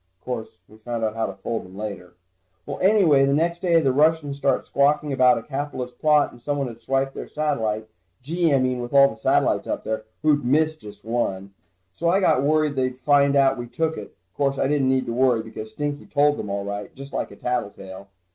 Course, we found out how to fold them later. Well, anyway the next day, the Russians started squawking about a capitalist plot, and someone had swiped their satellite. Gee, I mean with all the satellites up there, who'd miss just one? So I got worried that they'd find out that we took it. Course, I didn't need to worry, because Stinky told them all right, just like a tattletale.